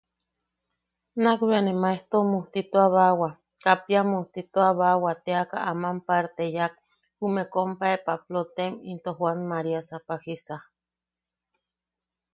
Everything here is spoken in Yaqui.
Nakbea ne Maejto mujtituabawa, Kapia mujtituabawa teaka aman parte yaak, jume kompae Paplotaim into Joan Maria Sapajisa.